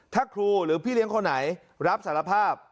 ถ้าครูหรือพี่เลี้ยงคนไหนรับสารภาพ